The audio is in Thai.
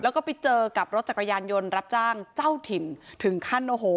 แล้วก็ไปเจอกับรถจักรยานยนต์รับจ้างเจ้าถิ่นถึงขั้นโอ้โห